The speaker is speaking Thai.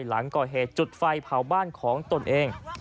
หลังก่อเหตุจุดไฟเผาบ้านของตนเอง